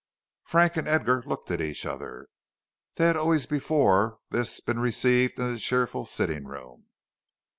Frank and Edgar looked at each other. They had always before this been received in the cheerful sitting room.